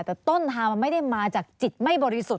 แต่ต้นทางมันไม่ได้มาจากจิตไม่บริสุทธิ์